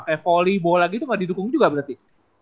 kayak volley bola gitu gak didukung juga berarti